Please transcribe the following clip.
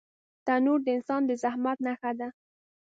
تنور د انسان د زحمت نښه ده